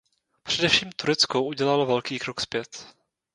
Především Turecko udělalo velký krok zpět.